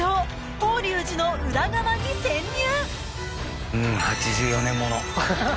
法隆寺のウラ側に潜入！